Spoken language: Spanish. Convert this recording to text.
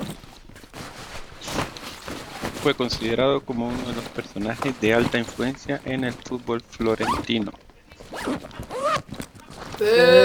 Fue considerado como uno de los personajes de alta influencia en el fútbol florentino.